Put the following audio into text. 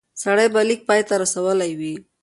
سړی به لیک پای ته رسولی وي.